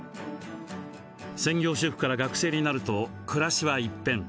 専業主婦から学生になると暮らしは一変。